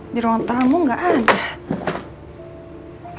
di ruang tamu nggak ada